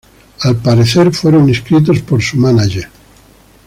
Al parecer, fueron inscritos por su mánager.